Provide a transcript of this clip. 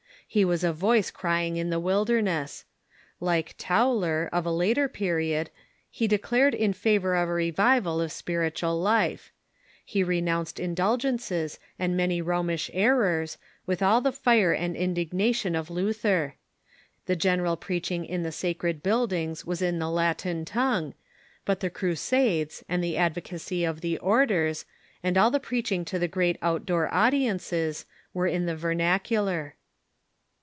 lie was a voice crying in the wilderness. Like Tauler, of a later period, he declared in favor of a revival of spiritual life. He de nounced indulgences, and many Romish errors, with all the fire and indignation of Luther. The general preaching in the sacred buildings was in the Latin tongue. But the Crusades, and the advocacy of the orders, and all the preaching to the great out door audiences, were in the vernacular.